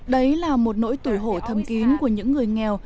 đấy là một nỗi tuổi hổ thầm kín của những người nghèo